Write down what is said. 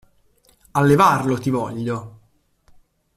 A levarlo ti voglio!